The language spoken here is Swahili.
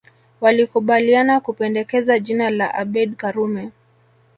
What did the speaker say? Walikubaliana kupendekeza jina la Abeid Karume